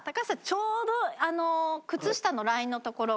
ちょうど靴下のラインの所が。